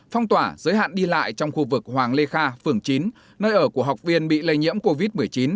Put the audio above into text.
phong tỏa giới hạn đi lại trong khu vực hoàng lê kha phường chín nơi ở của học viên bị lây nhiễm covid một mươi chín